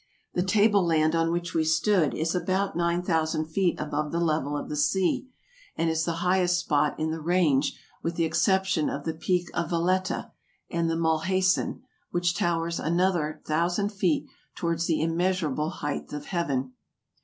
The table land on which we stood is about 9000 feet above the level of the sea, and is the highest spot in the range with the exception of the peak of Veleta and the Mulhacen, which towers another thousand feet towards the immeasur able height of heaven.